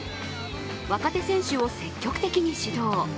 若手選手を積極的に指導。